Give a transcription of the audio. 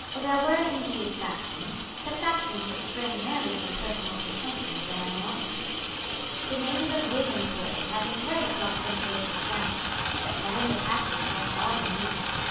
There were, indeed, factions, but factions which sprang merely from personal pretensions and animosities. The names of Whig and Tory had been carried across Saint George's Channel, but had in the passage lost all their meaning.